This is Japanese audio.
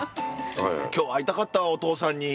今日会いたかったわおとうさんに。